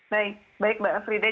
baik baik mbak aflida